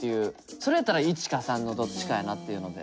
それやったら①か③のどっちかやなというので。